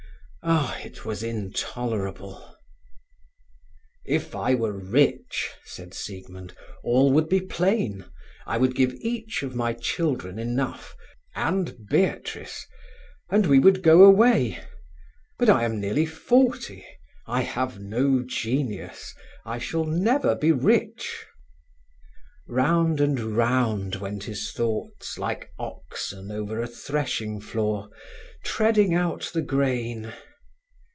Ah, it was intolerable! "If I were rich," said Siegmund, "all would be plain. I would give each of my children enough, and Beatrice, and we would go away; but I am nearly forty; I have no genius; I shall never be rich," Round and round went his thoughts like oxen over a threshing floor, treading out the grain.